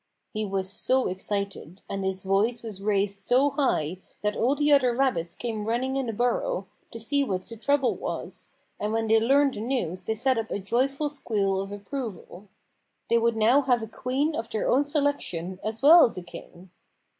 He was so excited, and his voice was raised so high, that all the other rabbits came running in the burrow to see what the trouble was, and when they learned the news they set up a joyful squeal of approval. They would now have a queen of their own selection as well as a king.